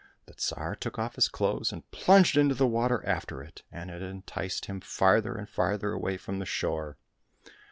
The Tsar took off his clothes and plunged into the water after it, and it enticed him farther and farther away from the shore.